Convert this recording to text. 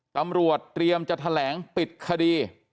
ตำรวจเตรียมจะแถลงปิดคดี